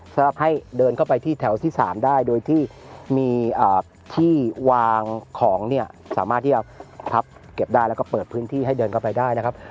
สำหรับให้เดินเข้าไปที่แถวที่๓ได้โดยที่มีที่วางของเนี่ยสามารถที่จะพับเก็บได้แล้วก็เปิดพื้นที่ให้เดินเข้าไปได้นะครับ